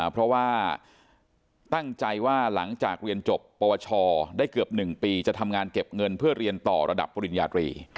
เพราะว่าตั้งใจว่าหลังจากเรียนจบปวชได้เกือบ๑ปีจะทำงานเก็บเงินเพื่อเรียนต่อระดับปริญญาตรี